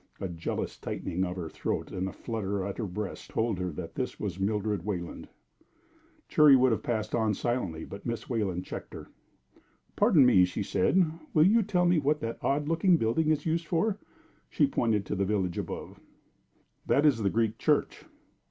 A jealous tightening of her throat and a flutter at her breast told her that this was Mildred Wayland. Cherry would have passed on silently, but Miss Wayland checked her. "Pardon me," she said. "Will you tell me what that odd looking building is used for?" She pointed to the village above. "That is the Greek church."